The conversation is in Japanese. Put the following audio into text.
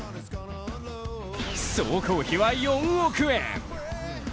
総工費は４億円。